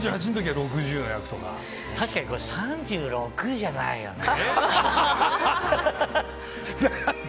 確かに３６じゃないよね。